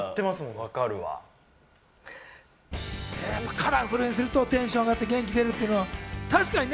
カラフルにするとテンションが上がって元気が出るっていうのは確かにね。